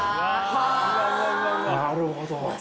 なるほど。